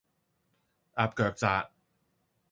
鴨腳扎